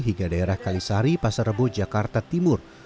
hingga daerah kalisari pasar rebo jakarta timur